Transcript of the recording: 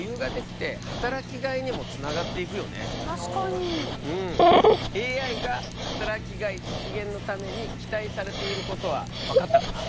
そうなると確かに。ＡＩが働きがい実現のために期待されていることは分かったかな？